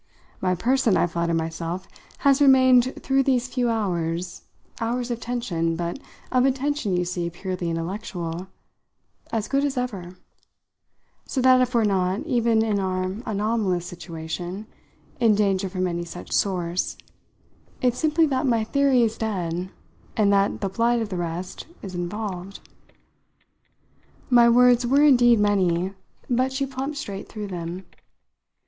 My person, I flatter myself, has remained through these few hours hours of tension, but of a tension, you see, purely intellectual as good as ever; so that if we're not, even in our anomalous situation, in danger from any such source, it's simply that my theory is dead and that the blight of the rest is involved." My words were indeed many, but she plumped straight through them.